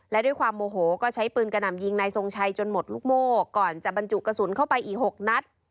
และด้วยความโมโหก็ใช้ปืนกระหน่ำยิงนายทรงชัยจนหมดลูกโม่ก่อนจะบรรจุกระสุนเข้าไปอีก๖นัด